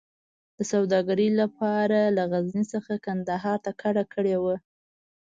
د سوداګرۍ لپاره له غزني څخه کندهار ته کډه کړې وه.